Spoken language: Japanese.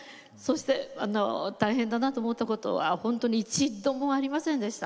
本当に大変だなと思ったことは一度もありませんでした。